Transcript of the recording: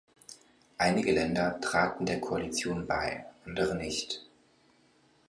Einige Länder traten der Koalition bei, andere nicht.